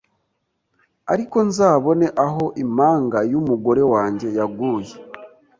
ariko nzabone aho impanga y' umugore wanjye yaguye